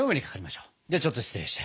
ではちょっと失礼して。